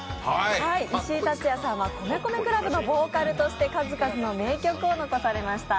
石井竜也さんは米米ＣＬＵＢのボーカルとして数々の名曲を残しました。